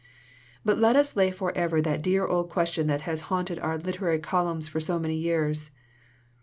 "But let us lay forever that dear old question that has haunted our literary columns for so many years.